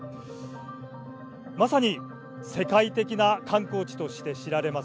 まさに世界的な観光地として知られます